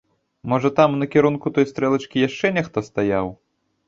Можа, там, у накірунку той стрэлачкі, яшчэ нехта стаяў?